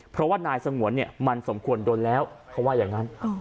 เพราะว่านายสงวนเนี่ยมันสมควรโดนแล้วเขาว่าอย่างนั้น